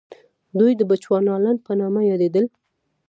دوی د بچوانالنډ په نامه یادېدل.